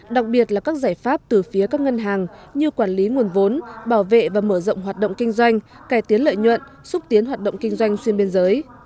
đặc biệt là các giải pháp từ phía các ngân hàng như quản lý nguồn vốn bảo vệ và mở rộng hoạt động kinh doanh cải tiến lợi nhuận xúc tiến hoạt động kinh doanh xuyên biên giới